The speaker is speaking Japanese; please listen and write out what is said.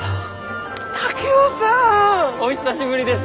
竹雄さん！お久しぶりです！